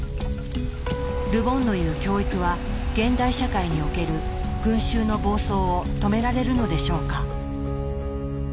ル・ボンの言う「教育」は現代社会における群衆の暴走を止められるのでしょうか？